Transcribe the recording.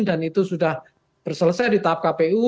dan itu sudah berselesai di tahap kpu